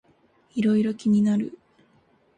いろいろ気になる